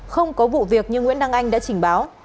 không có vụ việc như nguyễn đăng anh đã trình báo